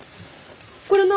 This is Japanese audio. これ何？